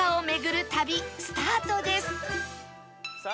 さあ